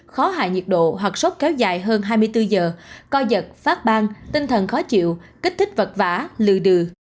khó hạ nhiệt độ hoặc sốt kéo dài hơn hai mươi bốn giờ coi giật phát bang tinh thần khó chịu kích thích vật vả lừa đừa